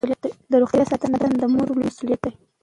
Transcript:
د روغتیا ساتنه د مور لویه مسوولیت ده.